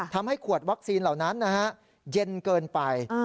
ทำให้ขวดวัคซีนเหล่านั้นเย็นเกินไป